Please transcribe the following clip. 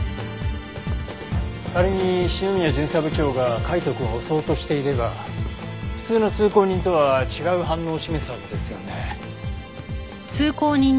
仮に篠宮巡査部長が海斗くんを襲おうとしていれば普通の通行人とは違う反応を示すはずですよね。